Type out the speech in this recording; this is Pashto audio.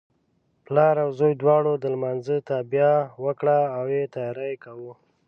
پلار او زوی دواړو د لمانځه تابیا وکړه او یې تیاری کاوه.